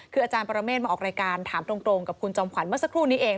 คืออาจารย์ปรเมฆมาออกรายการถามตรงกับคุณจอมขวัญเมื่อสักครู่นี้เอง